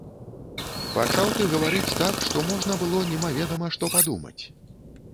Пачаў ты гаварыць так, што можна было немаведама што падумаць.